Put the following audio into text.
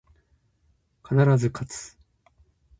必ず、かつ